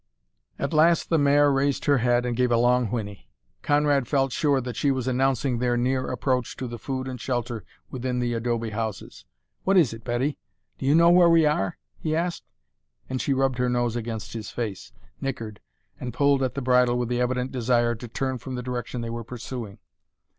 At last the mare raised her head and gave a long whinny. Conrad felt sure that she was announcing their near approach to the food and shelter within the adobe houses. "What is it, Betty? Do you know where we are?" he asked, and she rubbed her nose against his face, nickered, and pulled at the bridle with the evident desire to turn from the direction they were pursuing.